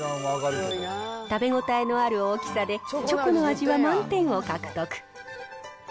食べ応えのある大きさで、チョコの味は満点を獲得。